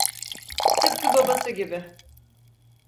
Tıpkı babası gibi.